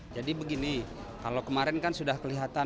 jadi begini kalau kemarin kan sudah terdapat